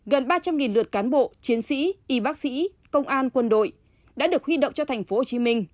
gần ba trăm linh lượt cán bộ chiến sĩ y bác sĩ công an quân đội đã được huy động cho thành phố hồ chí minh